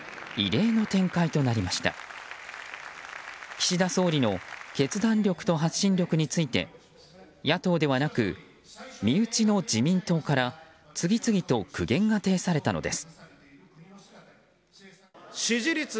岸田総理の決断力と発信力について野党ではなく、身内の自民党から次々と苦言が呈されたのです。